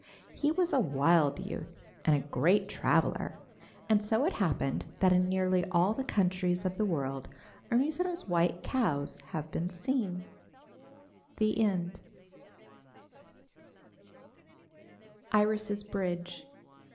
He was a wild youth and a great traveler, and so it happens that in nearly all the countries of the world Hermes and his white cows have been seen. IRIS' BRIDGE.